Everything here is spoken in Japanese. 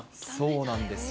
そうなんですよ。